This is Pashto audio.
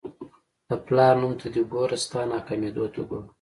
د پلار نوم ته دې ګوره ستا ناکامېدو ته ګوره.